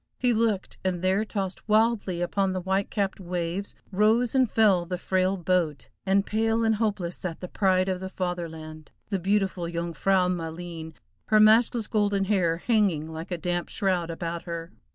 He looked, and there tossed wildly upon the white capped waves, rose and fell the frail boat, and pale and hopeless sat the pride of the Fatherland, the beautiful Jung frau Maleen, her matchless golden hair hanging like a damp shroud about her.